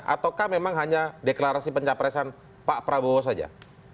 ataukah memang hanya deklarasi pencapresan pak prabowo saja